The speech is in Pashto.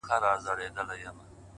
دا ده کوچي ځوانيمرگې نجلۍ تول دی ـ